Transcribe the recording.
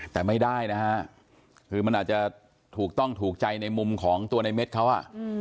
แต่ไม่ได้นะฮะคือมันอาจจะถูกต้องถูกใจในมุมของตัวในเม็ดเขาอ่ะ